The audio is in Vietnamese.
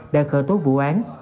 đã khởi tố vụ án